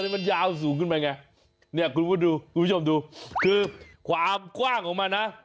มันยาวสูงขึ้นไปไงคุณผู้ชมดูคือความกว้างออกมานะ